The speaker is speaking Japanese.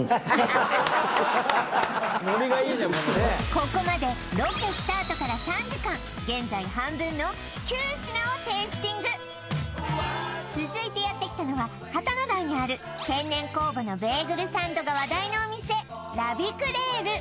ここまでロケスタートから３時間現在半分の９品をテイスティング続いてやって来たのは旗の台にある天然酵母のベーグルサンドが話題のお店ＬａＶｉｅＣｌａｉｒｅ